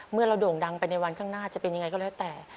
เมื่อเราโด่งดังไปในวันข้างหน้าจะเป็นยังไงก็แล้วแต่